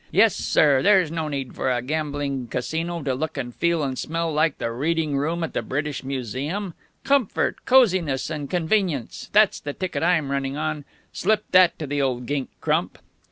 Yes, sir, there's no need for a gambling Casino to look and feel and smell like the reading room at the British Museum. Comfort, coziness and convenience. That's the ticket I'm running on. Slip that to the old gink, Crump."